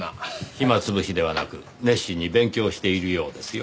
暇潰しではなく熱心に勉強しているようですよ。